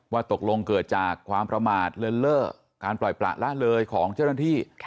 ว่าตกลงเกิดจากความประมาทเลินเล่อการปล่อยประละเลยของเจ้าหน้าที่